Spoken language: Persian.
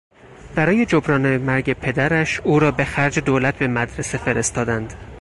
برای جبران مرگ پدرش او را به خرج دولت به مدرسه فرستادند.